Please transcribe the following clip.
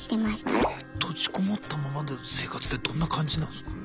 閉じこもったままの生活ってどんな感じなんですか？